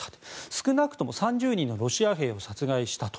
少なくとも３０人のロシア兵を殺害したと。